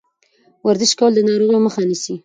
ورزش کول د ناروغیو مخه نیسي.